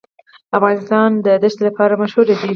افغانستان د دښتې لپاره مشهور دی.